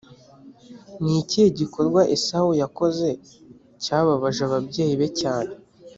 ni ikihe gikorwa esawu yakoze cyababaje ababyeyi be cyane